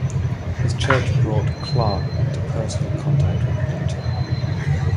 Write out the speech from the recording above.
His church brought Clarke into personal contact with Newton.